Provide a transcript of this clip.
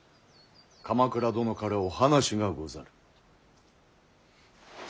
鎌倉殿からお話がござる。